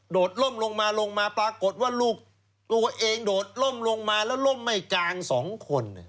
ดล่มลงมาลงมาปรากฏว่าลูกตัวเองโดดล่มลงมาแล้วล่มไม่กลางสองคน